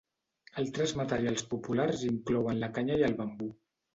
Altres materials populars inclouen la canya i el bambú.